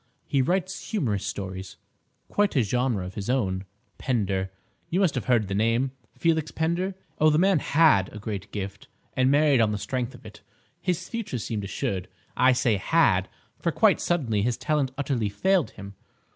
He writes humorous stories—quite a genre of his own: Pender—you must have heard the name—Felix Pender? Oh, the man had a great gift, and married on the strength of it; his future seemed assured. I say 'had,' for quite suddenly his talent utterly failed him.